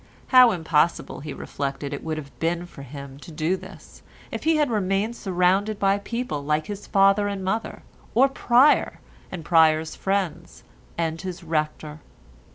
How impossible, he reflected, it would have been for him to do this, if he had remained surrounded by people like his father and mother, or Pryer and Pryer's friends, and his rector.